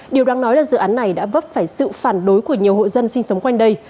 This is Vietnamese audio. điều đáng nói là dự án này đã vấp phải sự phản đối của nhiều hộ dân sinh sống quanh đây